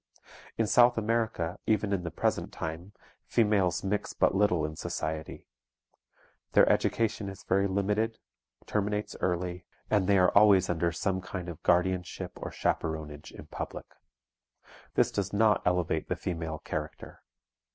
In South America, even in the present time, females mix but little in society. Their education is very limited, terminates early, and they are always under some kind of guardianship or chaperonage in public. This does not elevate the female character.